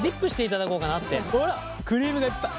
ほらクリームがいっぱい。